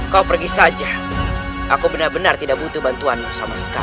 kau pergi saja aku benar benar tidak butuh bantuanmu sama sekali